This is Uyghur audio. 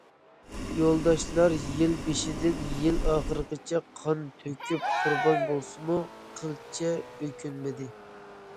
يولداشلار يىل بېشىدىن يىل ئاخىرىغىچە قان تۆكۈپ قۇربان بولسىمۇ قىلچە ئۆكۈنمىدى.